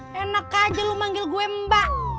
ih enak aja lo manggil gue mbak